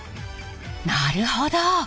なるほど。